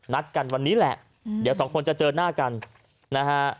นัดกันวันนี้แหละเดี๋ยวสองคนจะเจอหน้ากันนะฮะ